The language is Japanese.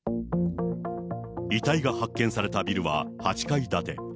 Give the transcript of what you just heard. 遺体が発見されたビルは８階建て。